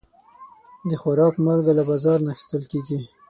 د خوراک مالګه له بازار نه اخیستل کېږي.